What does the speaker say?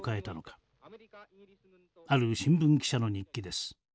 ある新聞記者の日記です。